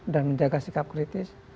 dan menjaga sikap kritis